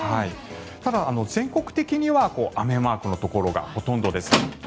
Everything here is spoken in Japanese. ただ、全国的には雨マークのところがほとんどです。